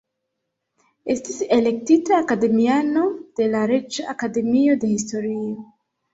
Estis elektita akademiano de la Reĝa Akademio de Historio.